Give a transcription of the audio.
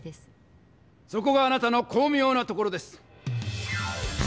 そこがあなたのこうみょうなところです！